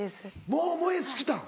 もう燃え尽きたん？